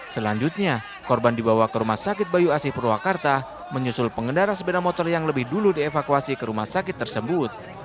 selanjutnya korban dibawa ke rumah sakit bayu asih purwakarta menyusul pengendara sepeda motor yang lebih dulu dievakuasi ke rumah sakit tersebut